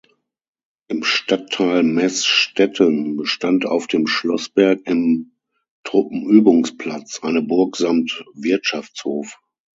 Im Stadtteil Meßstetten bestand auf dem Schlossberg im Truppenübungsplatz eine Burg samt Wirtschaftshof.